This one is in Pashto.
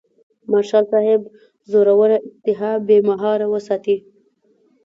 مارشال صاحب زوروره اشتها بې مهاره وساتي.